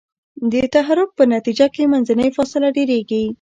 د تحرک په نتیجه کې منځنۍ فاصله ډیریږي.